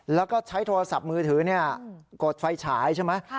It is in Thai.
แล้วก็ใช้โทรศัพท์มือถือกดไฟฉายใช่ไหม